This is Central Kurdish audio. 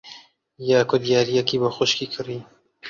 دیاکۆ دیارییەکی بۆ خوشکی کڕی.